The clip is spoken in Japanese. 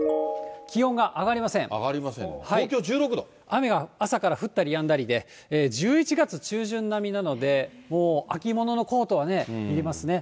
雨が朝から降ったりやんだりで、１１月中旬並みなので、もう秋物のコートはねいりますね。